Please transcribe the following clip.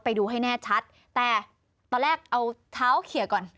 ไปดูให้แน่ชัดแต่ตอนแรกเอาเท้าเขียก่อน